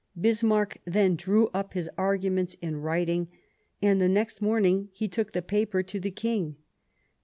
Bismarck then drew up his arguments in writing, and the next morning took the paper to the King.